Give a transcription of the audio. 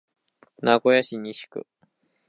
名古屋市西区